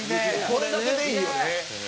「これだけでいいよね」